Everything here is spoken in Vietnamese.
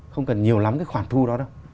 không cần nhiều lắm cái khoản thu đó đâu